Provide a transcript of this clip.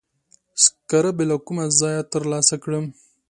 سکاره به له کومه ځایه تر لاسه کړم؟